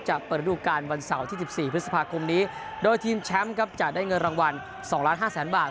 เปิดฤดูการวันเสาร์ที่๑๔พฤษภาคมนี้โดยทีมแชมป์ครับจะได้เงินรางวัล๒ล้านห้าแสนบาท